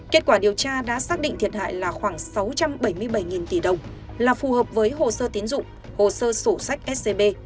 kết quả điều tra đã xác định thiệt hại là khoảng sáu trăm bảy mươi bảy tỷ đồng là phù hợp với hồ sơ tiến dụng hồ sơ sổ sách scb